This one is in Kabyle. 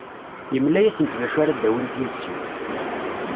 Yemla-asent d acu ara d-awint yid-sent.